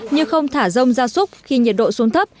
như không thả rông gia súc khi nhiệt độ xuống thấp